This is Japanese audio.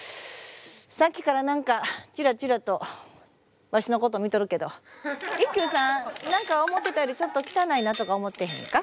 さっきから何かチラチラとわしのこと見とるけど一休さん何か思ってたよりちょっと汚いなとか思ってへんか？